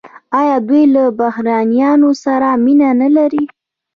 آیا دوی له بهرنیانو سره مینه نلري؟